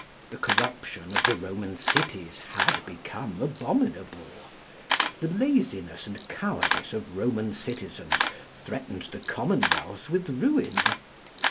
The corruption of the Roman cities had become abominable. The laziness and cowardice of Roman citizens threatened the commonwealth with ruin.